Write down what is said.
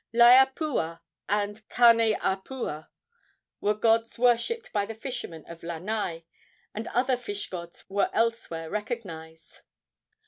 Laeapua and Kaneapua were gods worshipped by the fishermen of Lanai, and other fish gods were elsewhere recognized.